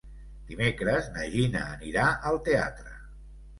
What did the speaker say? Dimecres na Gina anirà al teatre.